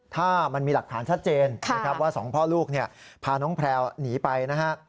ถ้ามันมีหลักฐานชัดเจนว่าสองพ่อลูกพาน้องแพรวหนีไปนะฮะ